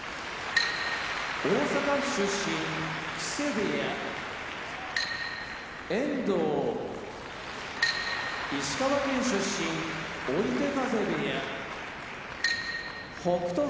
大阪府出身木瀬部屋遠藤石川県出身追手風部屋北勝